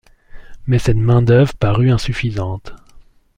Mais cette main d'œuvre parut insuffisante.